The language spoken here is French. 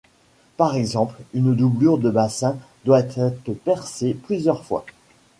Par exemple, une doublure de bassin doit être percée plusieurs fois.